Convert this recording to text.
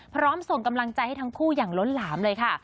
ส่งกำลังใจให้ทั้งคู่อย่างล้นหลามเลยค่ะ